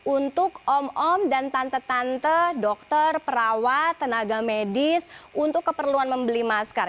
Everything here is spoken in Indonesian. untuk om om dan tante tante dokter perawat tenaga medis untuk keperluan membeli masker